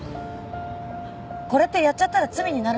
これってやっちゃったら罪になるんですかね？